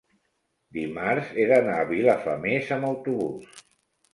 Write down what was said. Dimarts he d'anar a Vilafamés amb autobús.